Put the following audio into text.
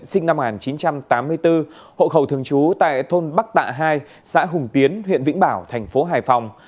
sinh năm một nghìn chín trăm tám mươi bốn hộ khẩu thường trú tại thôn bắc tạ hai xã hùng tiến huyện vĩnh bảo thành phố hải phòng